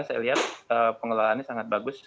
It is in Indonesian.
saya lihat pengelolaannya sangat bagus